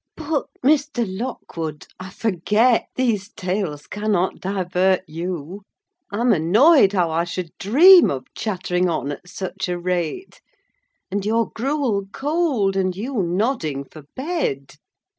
But, Mr. Lockwood, I forget these tales cannot divert you. I'm annoyed how I should dream of chattering on at such a rate; and your gruel cold, and you nodding for bed!